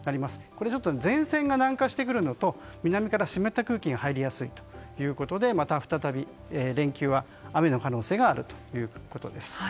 これは前線が南下してくるのと南から湿った空気が入りやすいということでまた再び連休は雨の可能性があるということです。